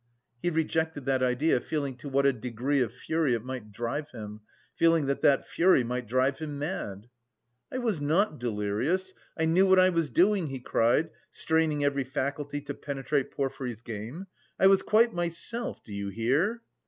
He rejected that idea, feeling to what a degree of fury it might drive him, feeling that that fury might drive him mad. "I was not delirious. I knew what I was doing," he cried, straining every faculty to penetrate Porfiry's game, "I was quite myself, do you hear?"